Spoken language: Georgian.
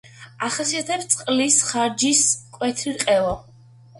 ახასიათებს წყლის ხარჯის მკვეთრი რყევა.